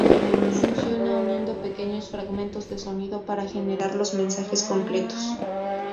Funciona uniendo pequeños fragmentos de sonido para generar los mensajes completos.